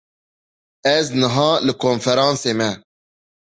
Ez niha li konferansê me.